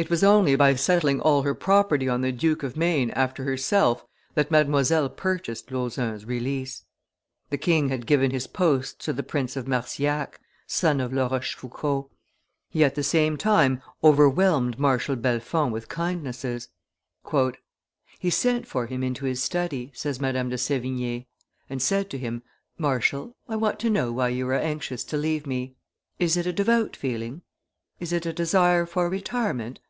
It was only by settling all her property on the Duke of Maine after herself that Mademoiselle purchased Lauzun's release. The king had given his posts to the Prince of Marcillac, son of La Rochefoucauld. He at the same time overwhelmed Marshal Bellefonds with kindnesses. [Illustration: The Iron Mask 14] "He sent for him into his study," says Madame de Sevigne, and said to him, 'Marshal, I want to know why you are anxious to leave me. Is it a devout feeling? Is it a desire for retirement?